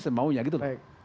semau nya gitu